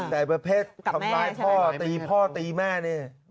แต่ประเภททำร้ายพ่อตีพ่อตีแม่นี่